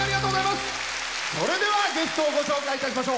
それでは、ゲストをご紹介いたしましょう。